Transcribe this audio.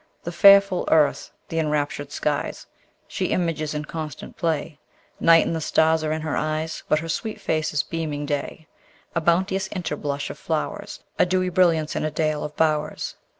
The fair full earth, the enraptured skies, She images in constant play: Night and the stars are in her eyes, But her sweet face is beaming day, A bounteous interblush of flowers: A dewy brilliance in a dale of bowers.